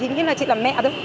chị nghĩ là chị là mẹ thôi